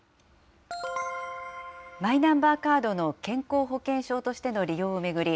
マイナンバーカードの健康保険証としての利用を巡り、